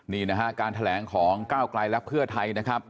นี่การแถลงของเก้ากลายและเพื่อไทย